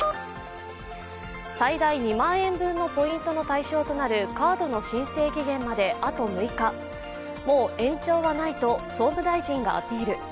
最大２万円分のポイントの対象となるカードの申請期限までもう延長はないと総務大臣がアピール。